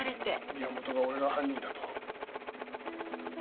宮元が俺が犯人だと？